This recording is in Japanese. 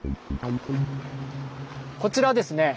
こちらですね